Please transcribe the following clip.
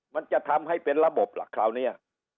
มันจะทำให้เป็นระบบล่ะคราวนี้